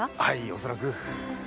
はいおそらく。